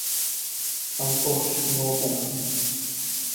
Santos, নড়বে না!